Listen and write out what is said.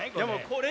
これ。